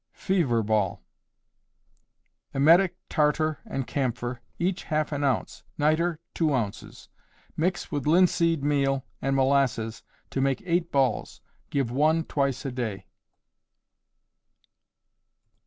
Fever Ball. Emetic tartar and camphor, each half an ounce; nitre, two ounces. Mix with linseed meal and molasses to make eight balls. Give one twice a day.